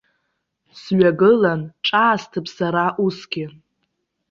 Сҩагылан, ҿаасҭып сара усгьы.